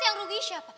yang rugi siapa